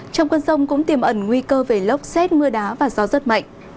trong cơn rông cũng tìm ẩn nguy cơ về lốc xét mưa đá và gió giật mạnh